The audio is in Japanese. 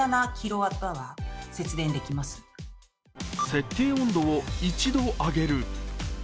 設定温度を１度上げる。